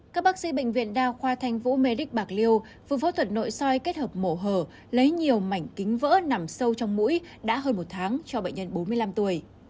các bác sĩ bệnh viện đa khoa thanh vũ medic bạc liêu vừa phẫu thuật nội soi kết hợp mổ lấy nhiều mảnh kính vỡ nằm sâu trong mũi đã hơn một tháng cho bệnh nhân bốn mươi năm tuổi